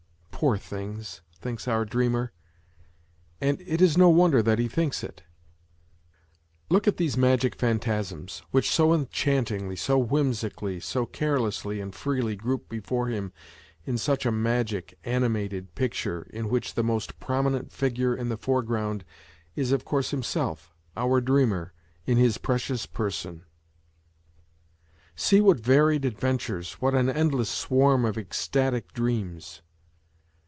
... Poor things ! thinks our dreamer. And it is no wonder that he thinks it ! Look at these magic phantasms, which so enchantingly, so whimsically, so carelessly and freely group before him in such a magic, animated picture, in which the most prominent figure in the foreground is of course himself, our dreamer, in his precious person. See what varied adventures, what an endless swarm of ecstatic dreams.